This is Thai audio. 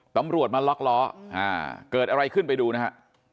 ตำรวจมาล็อกล้อเกิดอะไรขึ้นไปดูนะฮะ